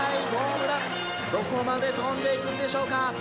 どこまで飛んでいくんでしょうか。